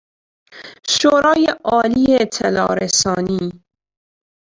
شورای عالی اطلاع رسانی